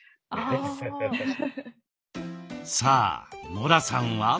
さあノラさんは？